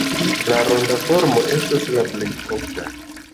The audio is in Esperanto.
La ronda formo estas la plej ofta.